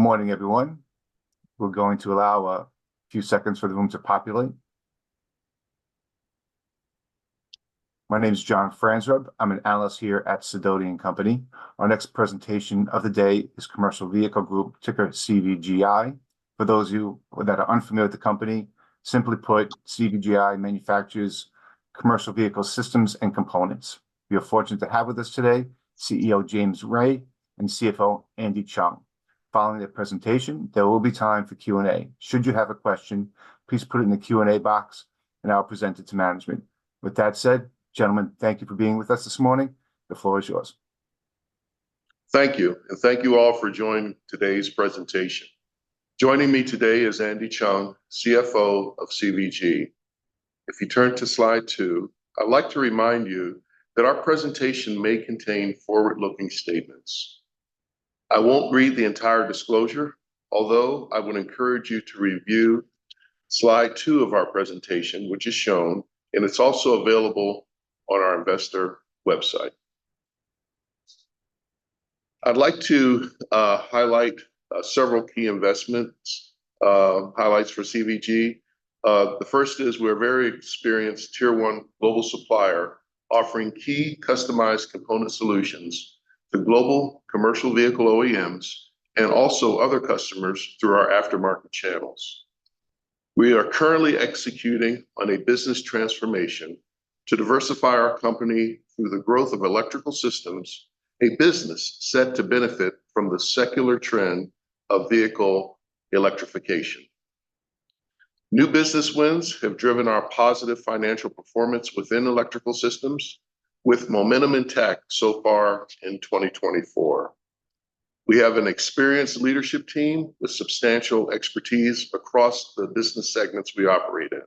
Good morning, everyone. We're going to allow a few seconds for the room to populate. My name is John Franzreb. I'm an analyst here at Sidoti & Company. Our next presentation of the day is Commercial Vehicle Group, ticker CVGI. For those of you that are unfamiliar with the company, simply put, CVGI manufactures commercial vehicle systems and components. We are fortunate to have with us today CEO James Ray and CFO Andy Cheung. Following their presentation, there will be time for Q&A. Should you have a question, please put it in the Q&A box, and I'll present it to management. With that said, gentlemen, thank you for being with us this morning. The floor is yours. Thank you, and thank you all for joining today's presentation. Joining me today is Andy Cheung, CFO of CVG. If you turn to slide two, I'd like to remind you that our presentation may contain forward-looking statements. I won't read the entire disclosure, although I would encourage you to review slide two of our presentation, which is shown, and it's also available on our investor website. I'd like to highlight several key investments, highlights for CVG. The first is we're a very Tier-1 global supplier, offering key customized component solutions to global commercial vehicle OEMs and also other customers through our aftermarket channels. We are currently executing on a business transformation to diversify our company through the growth of electrical systems, a business set to benefit from the secular trend of vehicle electrification. New business wins have driven our positive financial performance within electrical systems, with momentum intact so far in 2024. We have an experienced leadership team with substantial expertise across the business segments we operate in.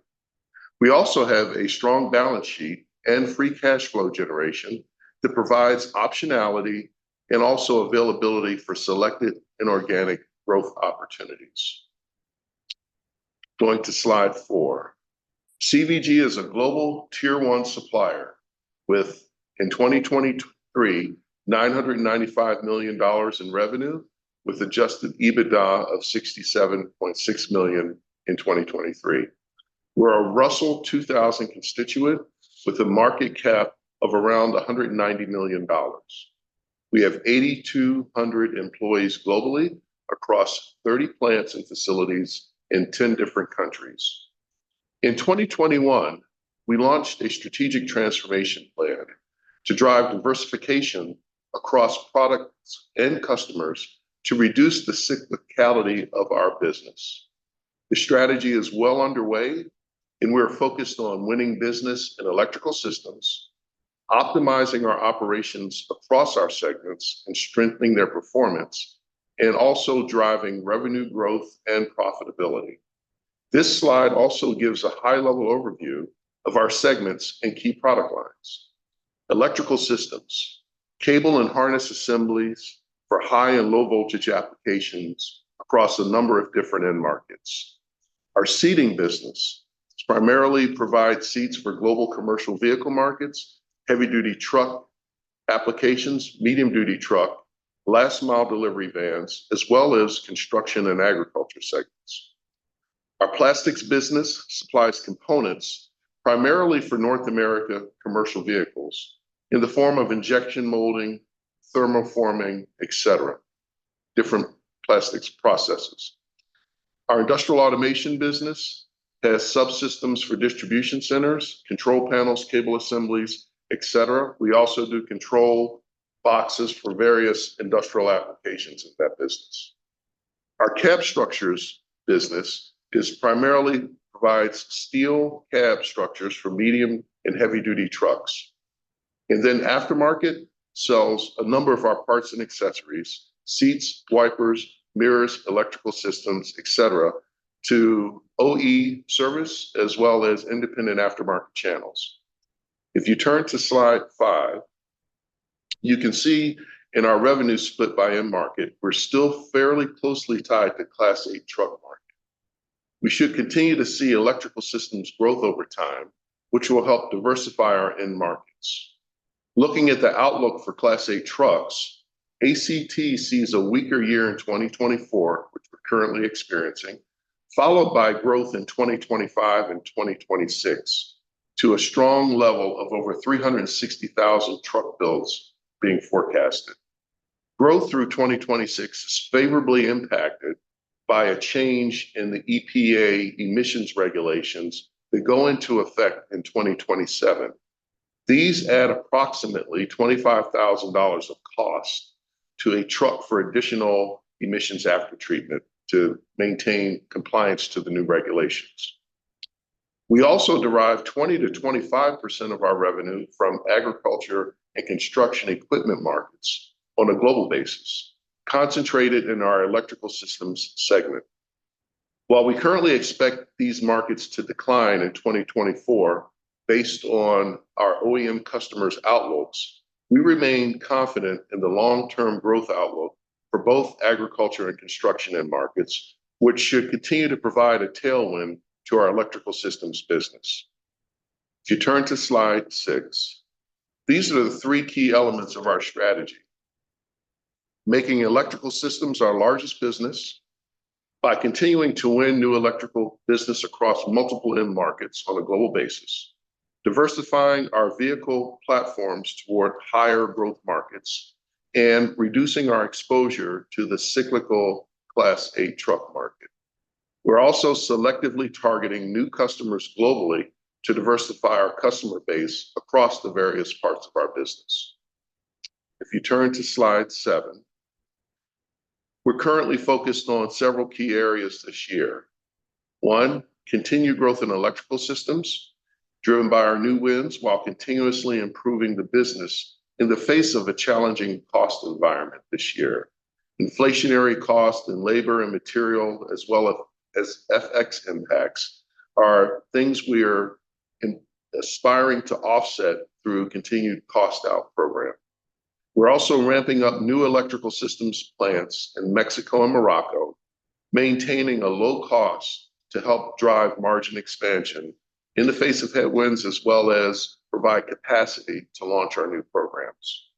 We also have a strong balance sheet and free cash flow generation that provides optionality and also availability for selected and organic growth opportunities. Going to slide four. CVG is a Tier-1 supplier with, in 2023, $995 million in revenue, with adjusted EBITDA of $67.6 million in 2023. We're a Russell 2000 constituent with a market cap of around $190 million. We have 8,200 employees globally across 30 plants and facilities in 10 different countries. In 2021, we launched a strategic transformation plan to drive diversification across products and customers to reduce the cyclicality of our business. The strategy is well underway, and we're focused on winning business and electrical systems, optimizing our operations across our segments, and strengthening their performance, and also driving revenue growth and profitability. This slide also gives a high-level overview of our segments and key product lines. Electrical systems, cable and harness assemblies for high and low voltage applications across a number of different end markets. Our seating business primarily provides seats for global commercial vehicle markets, heavy-duty truck applications, medium-duty truck, last-mile delivery vans, as well as construction and agriculture segments. Our plastics business supplies components primarily for North America commercial vehicles in the form of injection molding, thermoforming, et cetera. Different plastics processes. Our industrial automation business has subsystems for distribution centers, control panels, cable assemblies, et cetera. We also do control boxes for various industrial applications in that business. Our cab structures business primarily provides steel cab structures for medium and heavy-duty trucks. Then aftermarket sells a number of our parts and accessories, seats, wipers, mirrors, electrical systems, et cetera, to OE service, as well as independent aftermarket channels. If you turn to slide five, you can see in our revenue split by end market, we're still fairly closely tied to Class 8 truck market. We should continue to see electrical systems growth over time, which will help diversify our end markets. Looking at the outlook for Class 8 trucks, ACT sees a weaker year in 2024, which we're currently experiencing, followed by growth in 2025 and 2026 to a strong level of over 360,000 truck builds being forecasted. Growth through 2026 is favorably impacted by a change in the EPA emissions regulations that go into effect in 2027. These add approximately $25,000 of cost to a truck for additional emissions aftertreatment to maintain compliance to the new regulations. We also derive 20%-25% of our revenue from agriculture and construction equipment markets on a global basis, concentrated in our electrical systems segment. While we currently expect these markets to decline in 2024 based on our OEM customers' outlooks, we remain confident in the long-term growth outlook for both agriculture and construction end markets, which should continue to provide a tailwind to our electrical systems business. If you turn to slide six, these are the three key elements of our strategy: making electrical systems our largest business by continuing to win new electrical business across multiple end markets on a global basis, diversifying our vehicle platforms toward higher growth markets, and reducing our exposure to the cyclical Class 8 truck market. We're also selectively targeting new customers globally to diversify our customer base across the various parts of our business. If you turn to slide seven, we're currently focused on several key areas this year. One, continued growth in electrical systems, driven by our new wins, while continuously improving the business in the face of a challenging cost environment this year. Inflationary cost and labor and material, as well as FX impacts, are things we are aspiring to offset through continued cost out program. We're also ramping up new electrical systems plants in Mexico and Morocco, maintaining a low cost to help drive margin expansion in the face of headwinds, as well as provide capacity to launch our new programs.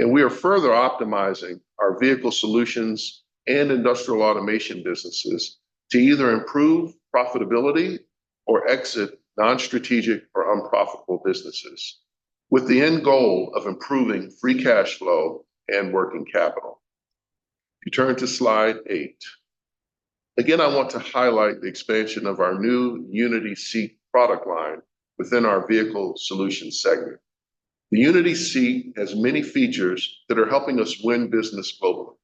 We are further optimizing our vehicle solutions and industrial automation businesses to either improve profitability or exit non-strategic or unprofitable businesses, with the end goal of improving free cash flow and working capital. If you turn to slide eight, again, I want to highlight the expansion of our new Unity Seat product line within our vehicle solutions segment. The Unity Seat has many features that are helping us win business globally,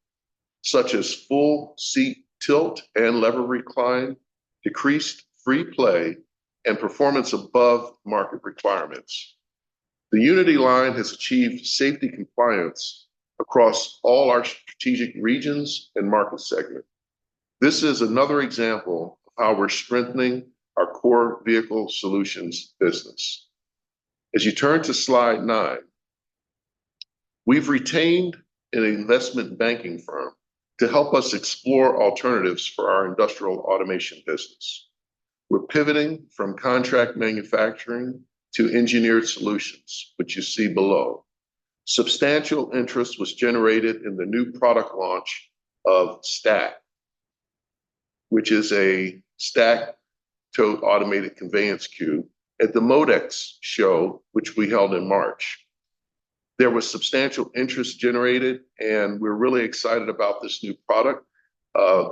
such as full seat tilt and lever recline, decreased free play, and performance above market requirements. The Unity line has achieved safety compliance across all our strategic regions and market segment. This is another example of how we're strengthening our core vehicle solutions business. As you turn to slide nine, we've retained an investment banking firm to help us explore alternatives for our industrial automation business. We're pivoting from contract manufacturing to engineered solutions, which you see below. Substantial interest was generated in the new product launch of STACC, which is a Stacked, Tote, Automated, Conveyance, Cube, at the MODEX show, which we held in March. There was substantial interest generated, and we're really excited about this new product.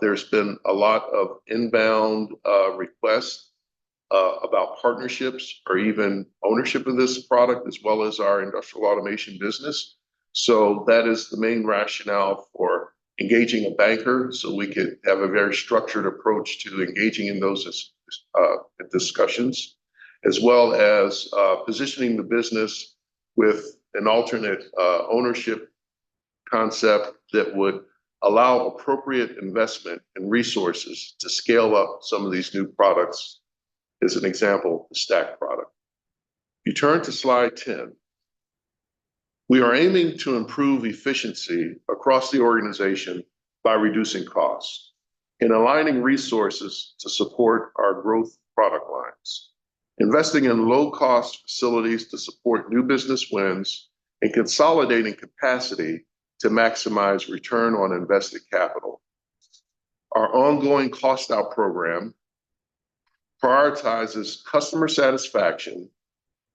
There's been a lot of inbound requests about partnerships or even ownership of this product, as well as our industrial automation business. That is the main rationale for engaging a banker, so we could have a very structured approach to engaging in those discussions, as well as, positioning the business with an alternate ownership concept that would allow appropriate investment and resources to scale up some of these new products, as an example, the STACC product. If you turn to slide 10, we are aiming to improve efficiency across the organization by reducing costs and aligning resources to support our growth product lines, investing in low-cost facilities to support new business wins, and consolidating capacity to maximize return on invested capital. Our ongoing cost out program prioritizes customer satisfaction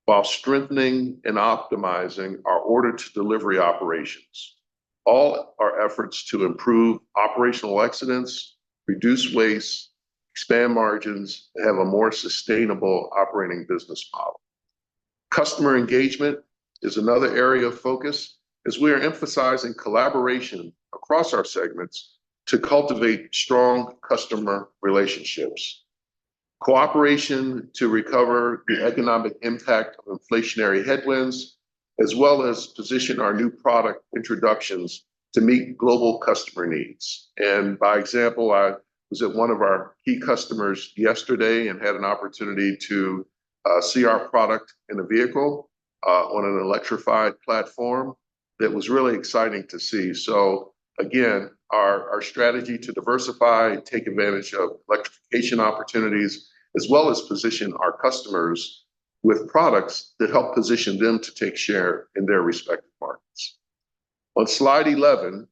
while strengthening and optimizing our order-to-delivery operations. All our efforts to improve operational excellence, reduce waste, expand margins, and have a more sustainable operating business model. Customer engagement is another area of focus, as we are emphasizing collaboration across our segments to cultivate strong customer relationships, cooperation to recover the economic impact of inflationary headwinds, as well as position our new product introductions to meet global customer needs. By example, I was at one of our key customers yesterday and had an opportunity to see our product in a vehicle on an electrified platform. That was really exciting to see. Again, our, our strategy to diversify and take advantage of electrification opportunities, as well as position our customers with products that help position them to take share in their respective markets. On slide 11,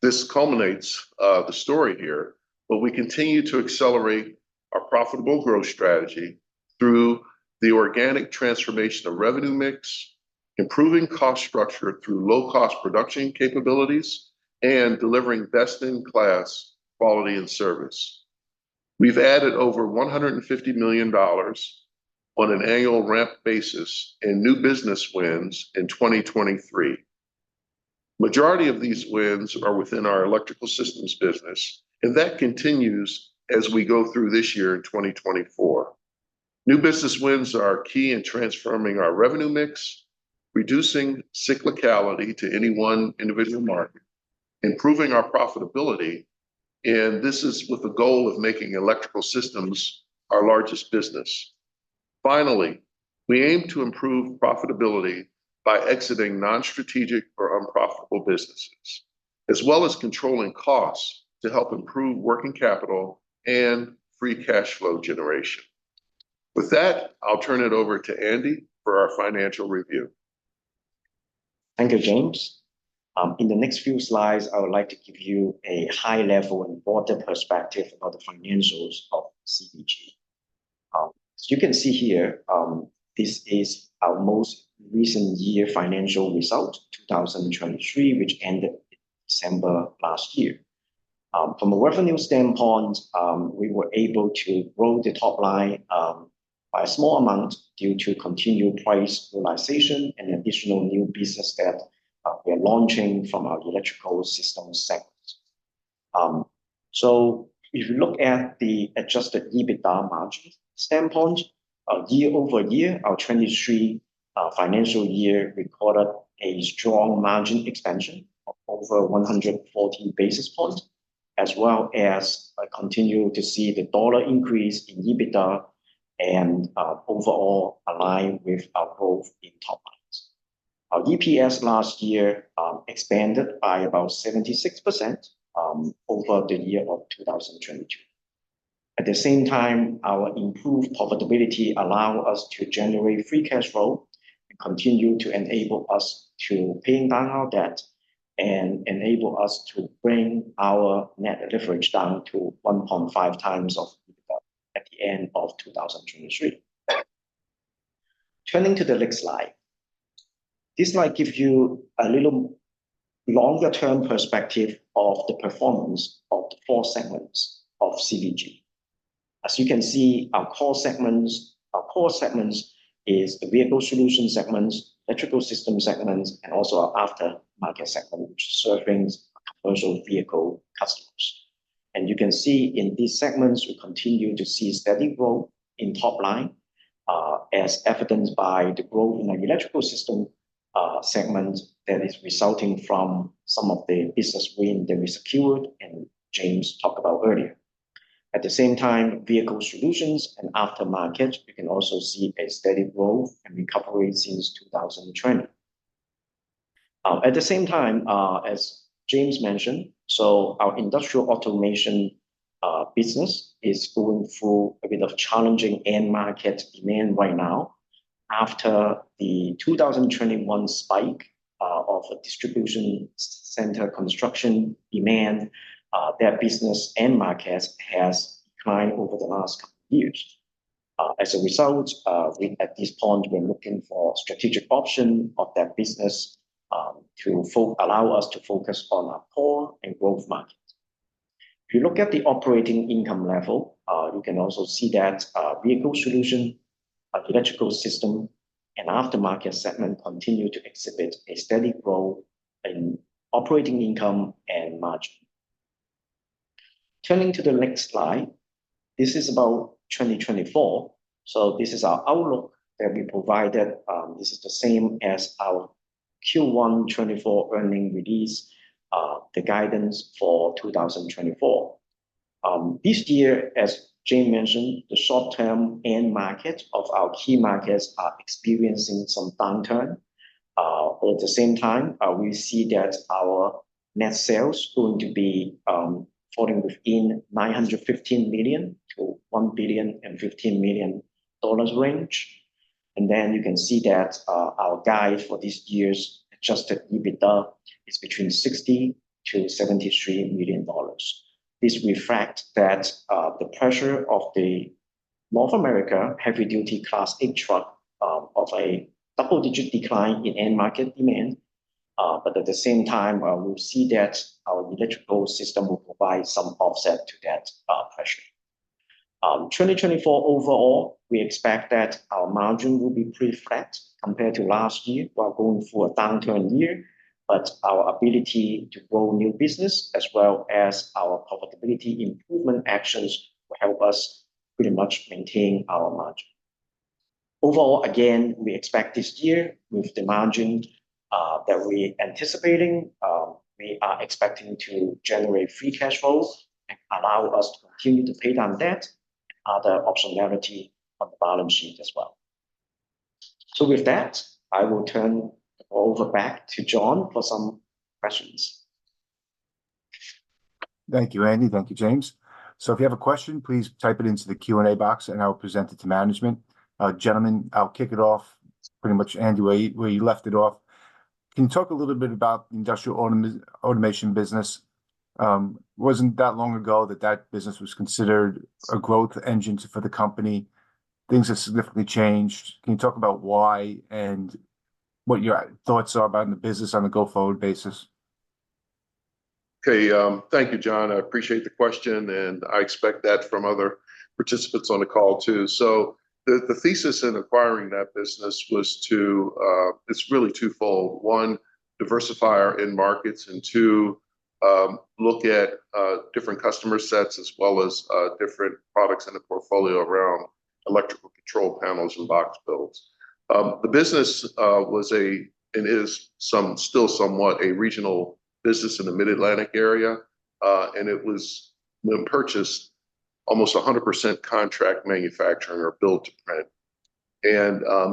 this culminates the story here, but we continue to accelerate our profitable growth strategy through the organic transformation of revenue mix, improving cost structure through low-cost production capabilities, and delivering best-in-class quality and service. We've added over $150 million on an annual ramp basis in new business wins in 2023. Majority of these wins are within our electrical systems business, and that continues as we go through this year in 2024. New business wins are key in transforming our revenue mix, reducing cyclicality to any one individual market, improving our profitability, and this is with the goal of making electrical systems our largest business. Finally, we aim to improve profitability by exiting non-strategic or unprofitable businesses, as well as controlling costs to help improve working capital and free cash flow generation. With that, I'll turn it over to Andy for our financial review. Thank you, James. In the next few slides, I would like to give you a high level and broader perspective about the financials of CVG. You can see here, this is our most recent year financial result, 2023, which ended December last year. From a revenue standpoint, we were able to grow the top line, by a small amount due to continued price realization and additional new business that, we are launching from our electrical system segment. If you look at the adjusted EBITDA margin standpoint, our year-over-year, our 2023, financial year recorded a strong margin expansion of over 140 basis points, as well as I continue to see the dollar increase in EBITDA and, overall align with our growth in top lines. Our EPS last year expanded by about 76% over the year of 2022. At the same time, our improved profitability allow us to generate free cash flow and continue to enable us to paying down our debt and enable us to bring our net leverage down to 1.5x of EBITDA at the end of 2023. Turning to the next slide. This slide gives you a little longer-term perspective of the performance of the four segments of CVG. As you can see, our core segments, our core segments is the vehicle solution segments, electrical system segments, and also our aftermarket segment, which servings commercial vehicle customers. You can see in these segments, we continue to see steady growth in top line, as evidenced by the growth in our electrical system segment that is resulting from some of the business win that we secured, and James talked about earlier. At the same time, vehicle solutions and aftermarket, we can also see a steady growth and recovery since 2020. At the same time, as James mentioned, so our industrial automation business is going through a bit of challenging end market demand right now. After the 2021 spike of a distribution center construction demand, that business end markets has declined over the last couple years. As a result, we, at this point, we're looking for strategic option of that business, to allow us to focus on our core and growth market. If you look at the operating income level, you can also see that vehicle solution, electrical system, and aftermarket segment continue to exhibit a steady growth in operating income and margin. Turning to the next slide. This is about 2024. This is our outlook that we provided. This is the same as our Q1 2024 earnings release, the guidance for 2024. This year, as James mentioned, the short-term end market of our key markets are experiencing some downturn. But at the same time, we see that our net sales going to be falling within $915 million-$1,015 million range. And then you can see that our guide for this year's adjusted EBITDA is between $60 million-$73 million. This reflect that, the pressure of the North America heavy-duty Class 8 truck, of a double-digit decline in end market demand, but at the same time, we'll see that our electrical system will provide some offset to that, pressure. 2024 overall, we expect that our margin will be pretty flat compared to last year. We are going through a downturn year, but our ability to grow new business as well as our profitability improvement actions will help us pretty much maintain our margin. Overall, again, we expect this year with the margin, that we're anticipating, we are expecting to generate free cash flows and allow us to continue to pay down debt, the optionality of the balance sheet as well. With that, I will turn over back to John for some questions. Thank you, Andy. Thank you, James. If you have a question, please type it into the Q&A box, and I'll present it to management. Gentlemen, I'll kick it off pretty much, Andy, where you left it off. Can you talk a little bit about the industrial automation business? Wasn't that long ago that that business was considered a growth engine for the company. Things have significantly changed. Can you talk about why and what your thoughts are about in the business on a go-forward basis? Okay, thank you, John. I appreciate the question, and I expect that from other participants on the call, too. The thesis in acquiring that business was to... It's really twofold. One, diversify our end markets, and two, look at different customer sets, as well as different products in the portfolio around electrical control panels and box builds. The business was a, and is still somewhat a regional business in the Mid-Atlantic area, and it was, when purchased, almost 100% contract manufacturing or build to print.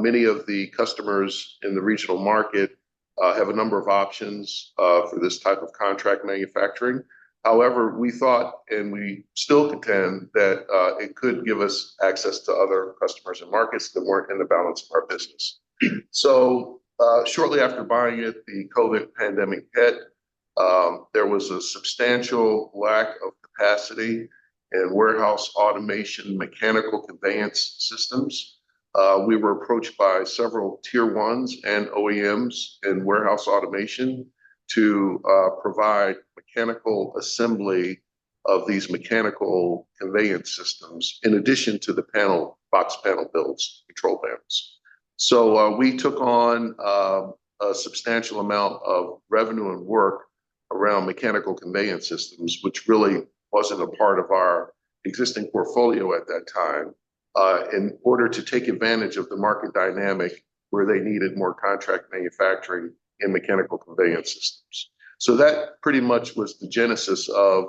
Many of the customers in the regional market have a number of options for this type of contract manufacturing. However, we thought, and we still contend, that it could give us access to other customers and markets that weren't in the balance of our business. Shortly after buying it, the COVID pandemic hit. There was a substantial lack of capacity and warehouse automation, mechanical conveyance systems. We were approached by Tier-1s and OEMs and warehouse automation to provide mechanical assembly of these mechanical conveyance systems, in addition to the panel, box panel builds, control panels. We took on a substantial amount of revenue and work around mechanical conveyance systems, which really wasn't a part of our existing portfolio at that time, in order to take advantage of the market dynamic, where they needed more contract manufacturing and mechanical conveyance systems. That pretty much was the genesis of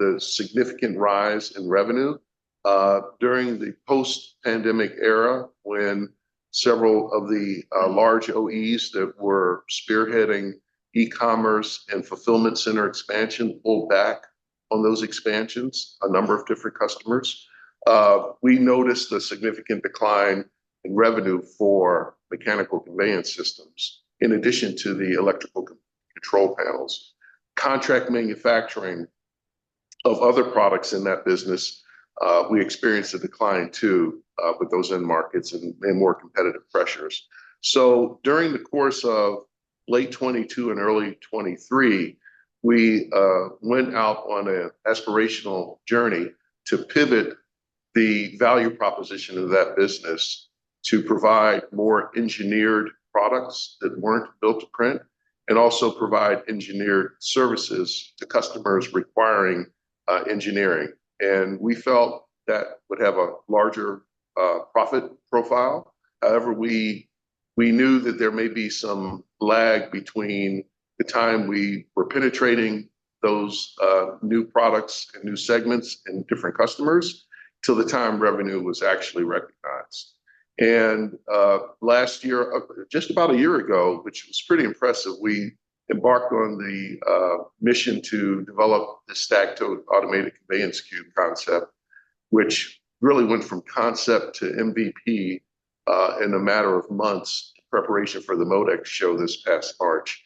the significant rise in revenue. During the post-pandemic era, when several of the large OEs that were spearheading e-commerce and fulfillment center expansion pulled back on those expansions, a number of different customers, we noticed a significant decline in revenue for mechanical conveyance systems, in addition to the electrical control panels. Contract manufacturing of other products in that business, we experienced a decline, too, with those end markets and more competitive pressures. During the course of late 2022 and early 2023, we went out on an aspirational journey to pivot the value proposition of that business to provide more engineered products that weren't built to print, and also provide engineered services to customers requiring engineering, and we felt that would have a larger profit profile. However, we knew that there may be some lag between the time we were penetrating those new products and new segments and different customers, till the time revenue was actually recognized. Last year, just about a year ago, which was pretty impressive, we embarked on the mission to develop the Stacked, Tote, Automated, Conveyance, Cube concept, which really went from concept to MVP in a matter of months, in preparation for the MODEX show this past March.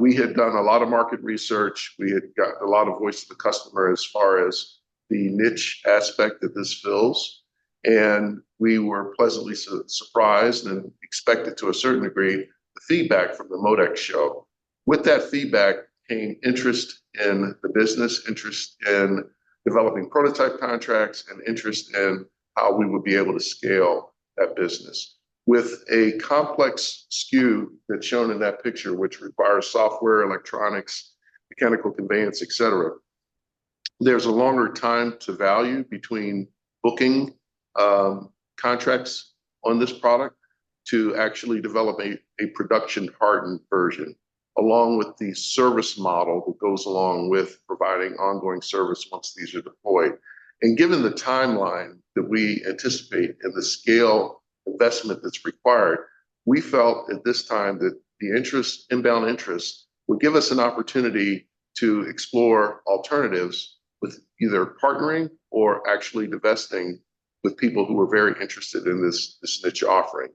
We had done a lot of market research. We had got a lot of voice of the customer as far as the niche aspect that this fills, and we were pleasantly surprised, and expected to a certain degree, the feedback from the MODEX show. With that feedback, came interest in the business, interest in developing prototype contracts, and interest in how we would be able to scale that business. With a complex SKU that's shown in that picture, which requires software, electronics, mechanical conveyance, et cetera, there's a longer time to value between booking contracts on this product to actually develop a production-hardened version, along with the service model that goes along with providing ongoing service once these are deployed. Given the timeline that we anticipate and the scale investment that's required, we felt at this time that the interest, inbound interest, would give us an opportunity to explore alternatives with either partnering or actually divesting with people who are very interested in this, this niche offering.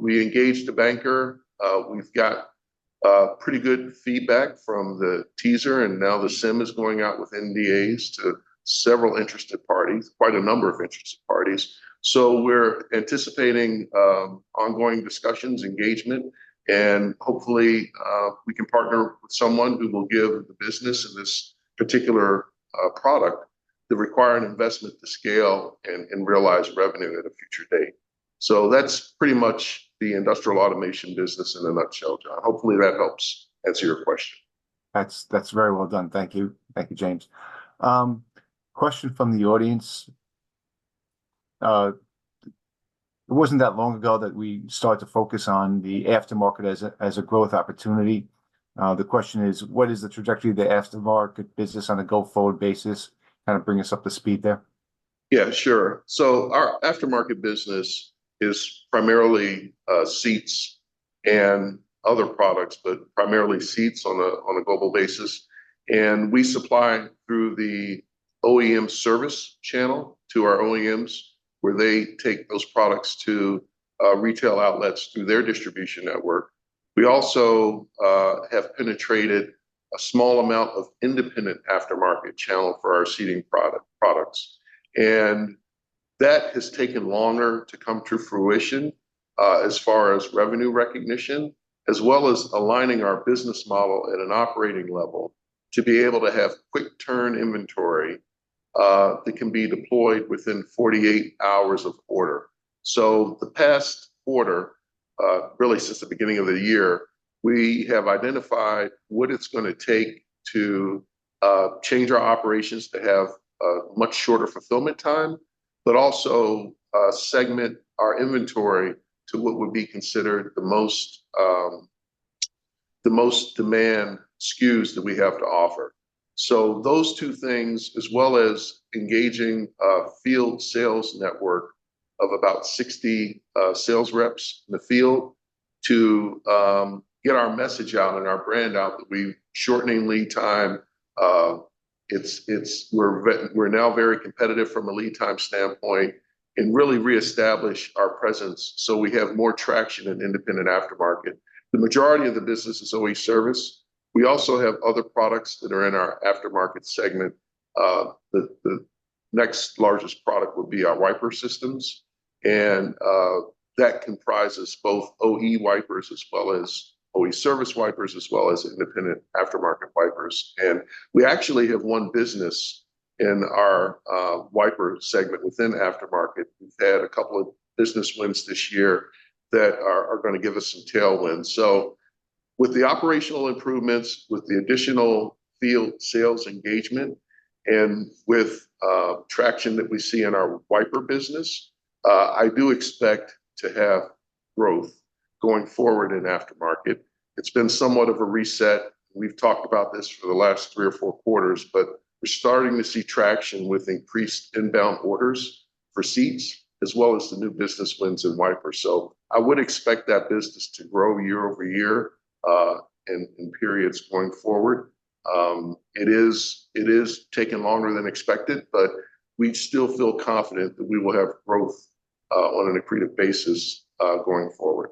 We engaged a banker. We've got pretty good feedback from the teaser, and now the CIM is going out with NDAs to several interested parties, quite a number of interested parties. We're anticipating ongoing discussions, engagement, and hopefully we can partner with someone who will give the business and this particular product the required investment to scale and realize revenue at a future date. That's pretty much the industrial automation business in a nutshell, John. Hopefully, that helps answer your question. That's very well done. Thank you. Thank you, James. Question from the audience. It wasn't that long ago that we started to focus on the aftermarket as a growth opportunity. The question is, what is the trajectory of the aftermarket business on a go-forward basis? Kind of bring us up to speed there. Yeah, sure. Our aftermarket business is primarily seats and other products, but primarily seats on a global basis. We supply through the OEM service channel to our OEMs, where they take those products to retail outlets through their distribution network. We also have penetrated a small amount of independent aftermarket channel for our seating products. That has taken longer to come to fruition as far as revenue recognition, as well as aligning our business model at an operating level, to be able to have quick turn inventory that can be deployed within 48 hours of order. The past quarter, really since the beginning of the year, we have identified what it's gonna take to change our operations to have a much shorter fulfillment time, but also segment our inventory to what would be considered the most demand SKUs that we have to offer. Those two things, as well as engaging field sales network of about 60 sales reps in the field to get our message out and our brand out, that we shortening lead time. We're now very competitive from a lead time standpoint and really reestablish our presence, so we have more traction in independent aftermarket. The majority of the business is OE service. We also have other products that are in our aftermarket segment. The next largest product would be our wiper systems, and that comprises both OE wipers as well as OE service wipers, as well as independent aftermarket wipers. And we actually have won business in our wiper segment within aftermarket. We've had a couple of business wins this year that are gonna give us some tailwind. With the operational improvements, with the additional field sales engagement, and with traction that we see in our wiper business, I do expect to have growth going forward in aftermarket. It's been somewhat of a reset. We've talked about this for the last three or four quarters, but we're starting to see traction with increased inbound orders for seats, as well as the new business wins in wiper. I would expect that business to grow year over year in periods going forward. It is taking longer than expected, but we still feel confident that we will have growth on an accretive basis going forward.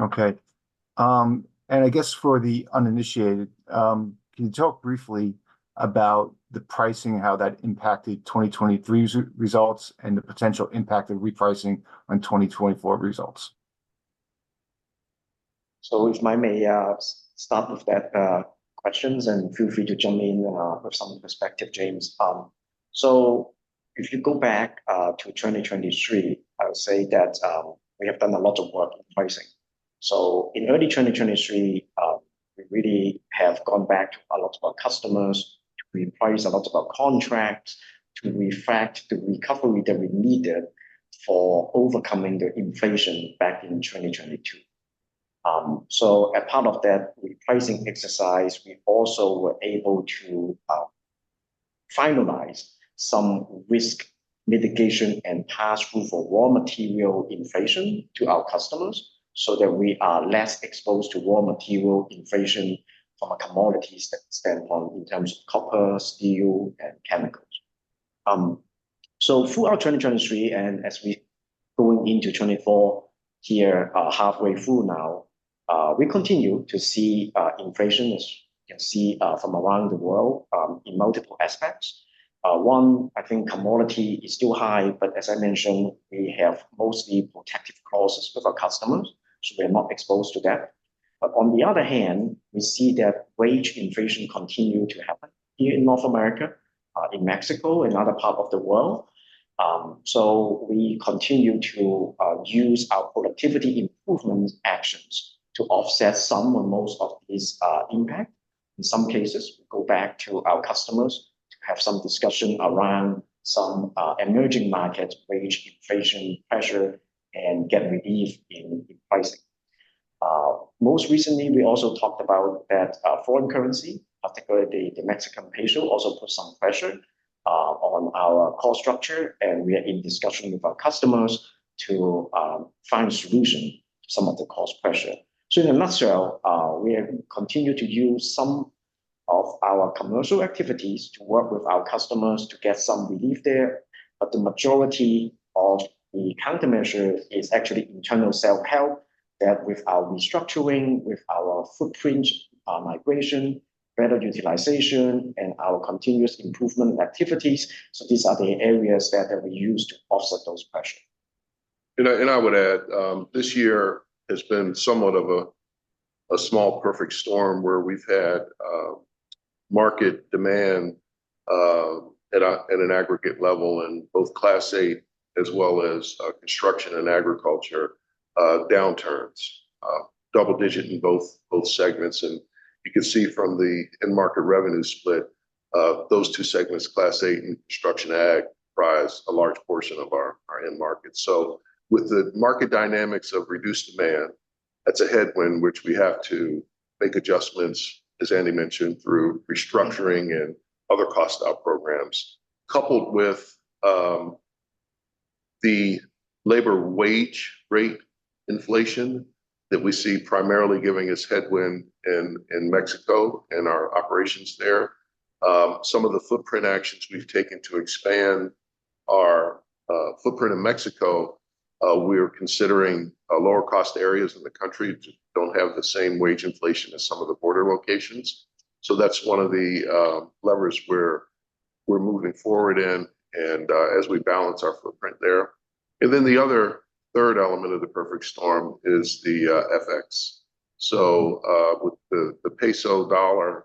Okay. I guess for the uninitiated, can you talk briefly about the pricing, how that impacted 2023's results and the potential impact of repricing on 2024 results? If I may, start with that, questions, and feel free to jump in, with some perspective, James. If you go back, to 2023, I would say that, we have done a lot of work on pricing. In early 2023, we really have gone back to a lot of our customers to reprice a lot of our contracts, to reflect the recovery that we needed for overcoming the inflation back in 2022. A part of that repricing exercise, we also were able to, finalize some risk mitigation and pass-through for raw material inflation to our customers, so that we are less exposed to raw material inflation from a commodities standpoint, in terms of copper, steel, and chemicals. Through our 2023, and as we going into 2024, here, halfway through now, we continue to see, inflation, as you can see, from around the world, in multiple aspects. One, I think commodity is still high, but as I mentioned, we have mostly protective clauses with our customers, so we are not exposed to that. But on the other hand, we see that wage inflation continue to happen here in North America, in Mexico, and other part of the world. We continue to, use our productivity improvement actions to offset some or most of this, impact. In some cases, we go back to our customers to have some discussion around some, emerging markets, wage inflation pressure, and get relief in, in pricing. Most recently, we also talked about that, foreign currency, particularly the Mexican peso, also put some pressure on our cost structure, and we are in discussion with our customers to find a solution to some of the cost pressure. In a nutshell, we have continued to use some of our commercial activities to work with our customers to get some relief there. But the majority of the countermeasure is actually internal self-help, that with our restructuring, with our footprint migration, better utilization, and our continuous improvement activities. These are the areas that we use to offset those pressure. I would add, this year has been somewhat of a small perfect storm, where we've had market demand at an aggregate level in both Class 8 as well as construction and agriculture downturns. Double digit in both segments, and you can see from the end market revenue split those two segments, Class 8 and construction ag, comprise a large portion of our end market. With the market dynamics of reduced demand, that's a headwind which we have to make adjustments, as Andy mentioned, through restructuring and other cost out programs. Coupled with the labor wage rate inflation that we see primarily giving us headwind in Mexico and our operations there. Some of the footprint actions we've taken to expand our footprint in Mexico, we're considering lower cost areas in the country, which don't have the same wage inflation as some of the border locations. That's one of the levers we're moving forward in, and as we balance our footprint there. And then the other third element of the perfect storm is the FX. With the peso, dollar,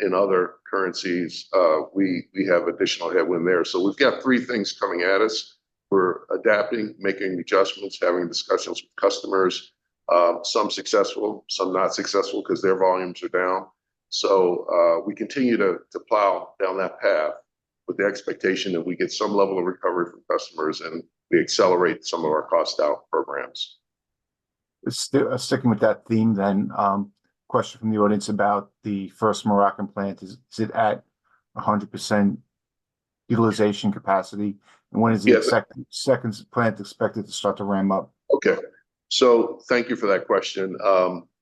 and other currencies, we have additional headwind there. We've got three things coming at us. We're adapting, making adjustments, having discussions with customers, some successful, some not successful, 'cause their volumes are down. We continue to plow down that path with the expectation that we get some level of recovery from customers, and we accelerate some of our cost out programs. Sticking with that theme then, question from the audience about the first Moroccan plant. Is it at 100% utilization capacity? Yes. When is the second plant expected to start to ramp up? Okay. Thank you for that question.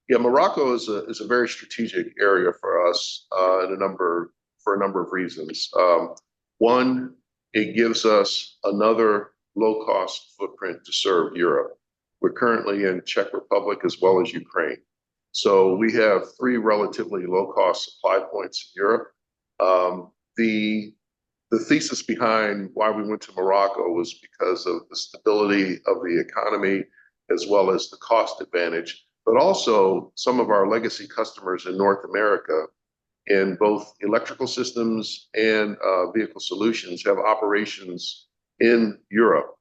Yeah, Morocco is a very strategic area for us in a number of reasons. One, it gives us another low-cost footprint to serve Europe. We're currently in Czech Republic as well as Ukraine, so we have three relatively low-cost supply points in Europe. The thesis behind why we went to Morocco was because of the stability of the economy as well as the cost advantage, but also some of our legacy customers in North America, in both electrical systems and vehicle solutions, have operations in Europe,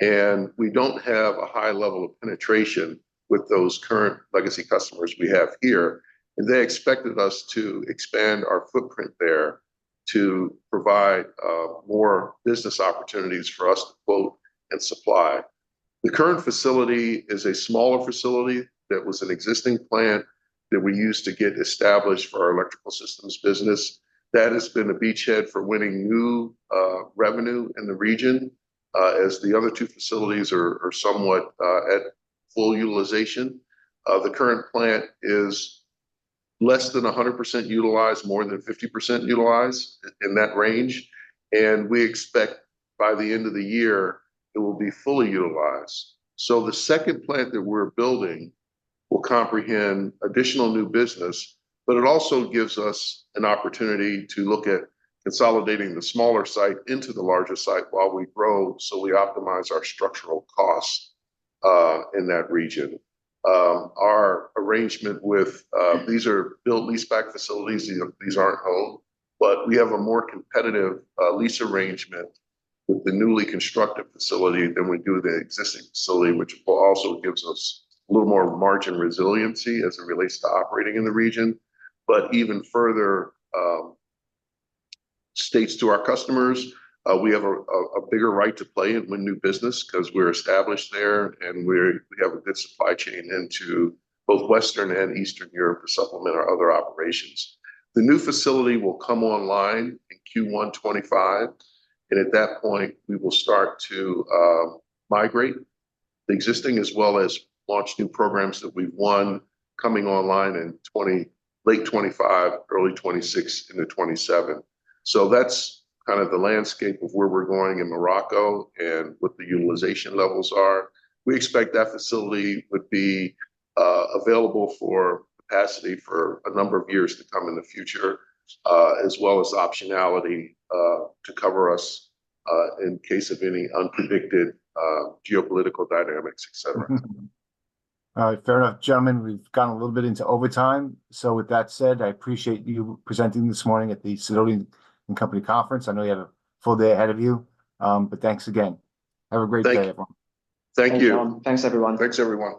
and we don't have a high level of penetration with those current legacy customers we have here. They expected us to expand our footprint there to provide more business opportunities for us to quote and supply. The current facility is a smaller facility that was an existing plant that we used to get established for our electrical systems business. That has been a beachhead for winning new revenue in the region, as the other two facilities are somewhat at full utilization. The current plant is less than 100% utilized, more than 50% utilized, in that range, and we expect by the end of the year it will be fully utilized. The second plant that we're building will comprehend additional new business, but it also gives us an opportunity to look at consolidating the smaller site into the larger site while we grow, so we optimize our structural cost in that region. Our arrangement with these are build lease back facilities. These aren't owned, but we have a more competitive lease arrangement with the newly constructed facility than we do the existing facility, which will also gives us a little more margin resiliency as it relates to operating in the region. But even further, states to our customers, we have a bigger right to play in winning new business because we're established there, and we have a good supply chain into both Western and Eastern Europe to supplement our other operations. The new facility will come online in Q1 2025, and at that point, we will start to migrate the existing as well as launch new programs that we've won, coming online in late 2025, early 2026 into 2027. That's kind of the landscape of where we're going in Morocco and what the utilization levels are. We expect that facility would be available for capacity for a number of years to come in the future, as well as optionality to cover us in case of any unpredicted geopolitical dynamics, et cetera. Fair enough. Gentlemen, we've gone a little bit into overtime, so with that said, I appreciate you presenting this morning at the Sidoti & Company conference. I know you have a full day ahead of you, but thanks again. Thank you. Have a great day, everyone. Thank you. Thanks, everyone. Thanks, everyone.